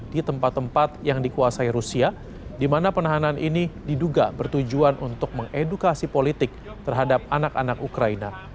di tempat tempat yang dikuasai rusia di mana penahanan ini diduga bertujuan untuk mengedukasi politik terhadap anak anak ukraina